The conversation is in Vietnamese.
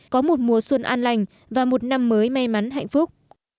có một mùa xuân an lành và một năm mới may mắn hạnh phúc